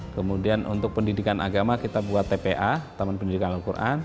kemudian untuk pendidikan agama kita buat tpa taman pendidikan al quran